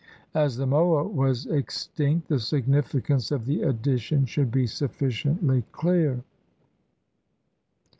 As the moa was extinct, the significance of the addition should be sufficiently clear.